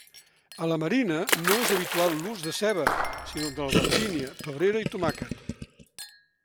A la Marina no és habitual l'ús de ceba, sinó d'albergínia, pebrera i tomàquet.